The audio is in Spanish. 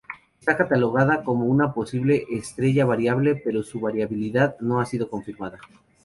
Está catalogada como una posible estrella variable, pero su variabilidad no ha sido confirmada.